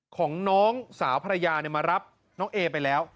ของน้องสาวภรรยามารับน้องเอไปแล้ว